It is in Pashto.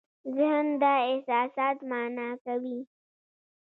ذهن دا احساسات مانا کوي.